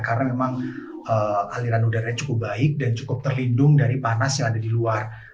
karena memang aliran udaranya cukup baik dan cukup terlindung dari panas yang ada di luar